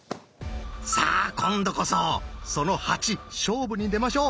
さあ今度こそその「８」勝負に出ましょう！